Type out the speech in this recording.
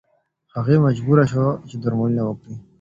هغې مجبوره شوه چې درملنه وکړي.